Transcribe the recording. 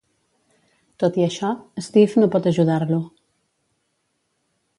Tot i això, Steve no pot ajudar-lo.